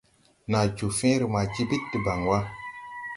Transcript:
Nàa joo fẽẽre ma jibid debaŋ wà.